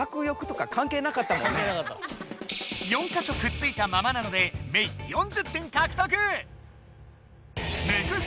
４か所くっついたままなのでメイ４０点かくとく！